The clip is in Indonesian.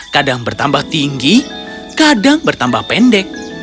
kadang bertambah tinggi kadang bertambah pendek